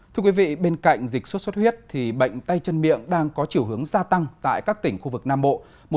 thưa quý vị bên cạnh dịch sốt xuất huyết bệnh tay chân miệng đang có chiều hướng gia tăng tại các tỉnh khu vực nam bộ